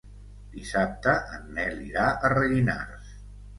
Dissabte en Nel irà a Rellinars.